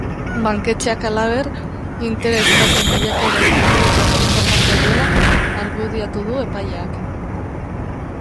Banketxeak halaber, interes tasen bilakaeren inguruko informazioa duela argudiatu du epaileak.